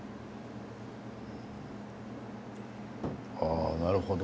あなるほど。